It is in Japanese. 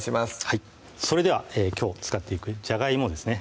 はいそれではきょう使っていくじゃがいもですね